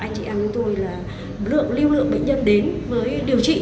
anh chị em tôi lưu lượng bệnh nhân đến với điều trị